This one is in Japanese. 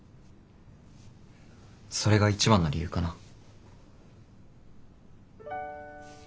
それが一番の理由かな。